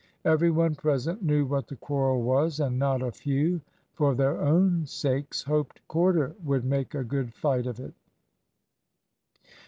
Every one present knew what the quarrel was, and not a few, for their own sakes, hoped Corder would make a good fight of it.